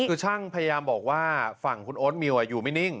คือช่างพยายามบอกว่าฝั่งคุณโอ๊ตมิวอยู่ไม่นิ่ง